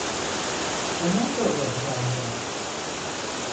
Ömer de oralı galiba?